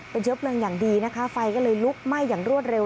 เป็นเชื้อเพลิงอย่างดีนะคะไฟก็เลยลุกไหม้อย่างรวดเร็ว